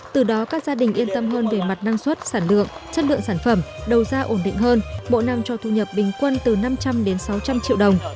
từ đó các gia đình yên tâm hơn về mặt năng suất sản lượng chất lượng sản phẩm đầu ra ổn định hơn bộ năm cho thu nhập bình quân từ năm trăm linh đến sáu trăm linh triệu đồng